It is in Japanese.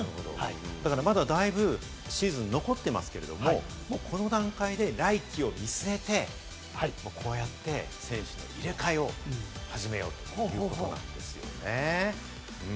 だから、まだだいぶ、シーズンは残ってますけれども、もうこの段階で来季を見据えてこうやって選手の入れ替えを始めようということなんですよね。